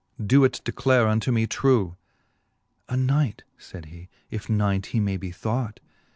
Doe it declare unto me trew. A knight, faid he, if knight he may be thought.